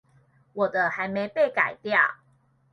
我的還沒被改掉